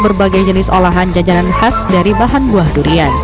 berbagai jenis olahan jajanan khas dari bahan buah durian